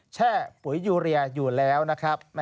แช่ปุ๋ยยูเรียอยู่แล้วนะครับ